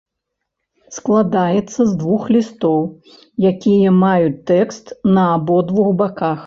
Складаецца з двух лістоў, якія маюць тэкст на абодвух баках.